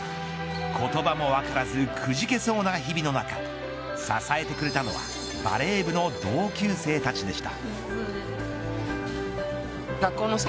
言葉もわからずくじけそうな日々の中支えてくれたのはバレー部の同級生たちでした。